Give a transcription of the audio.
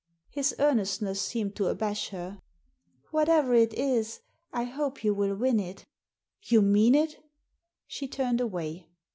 His earnestness seemed to abash her. "Whatever it is I hope you will win it" "You mean it?" She turned away.